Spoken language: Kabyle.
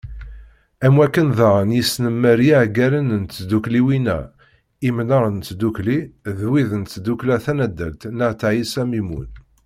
Am wakken daɣen yesnemmer iɛeggalen n tdukkliwin-a Imnar n Tdukli d wid n tdukkla tanaddalt n wat Ɛisa Mimun.